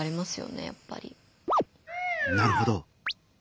なるほど。